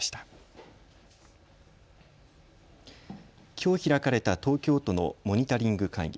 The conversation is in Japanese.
きょう開かれた東京都のモニタリング会議。